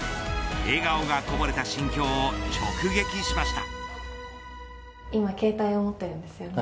笑顔がこぼれた心境を直撃しました。